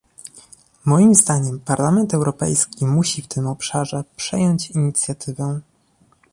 Moim zdaniem Parlament Europejski musi w tym obszarze przejąć inicjatywę